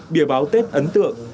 biểu báo tết ấn tượng